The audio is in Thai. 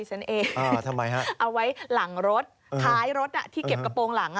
เอาไว้หลังรถท้ายรถที่เก็บกระโปรงหลัง